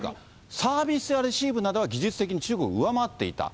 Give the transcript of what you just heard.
サービスやレシーブなどは技術的に中国を上回っていた。